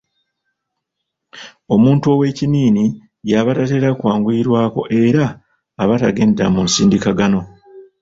Omuntu ow'ekinnini y'aba tatera kwanguyirwako era aba tagendera mu nsindikagano.